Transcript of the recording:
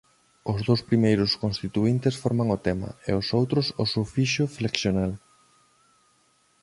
Os dous primeiros constituíntes forman o tema e os outros o sufixo flexional.